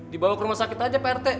dibawa ke rumah sakit aja pak rt